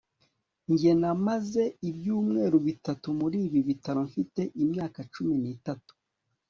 Njye namaze ibyumweru bitatu muri ibi bitaro mfite imyaka cumi nitatu